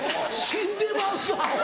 死んでまうぞアホ。